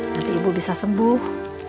nanti ibu bisa sembuh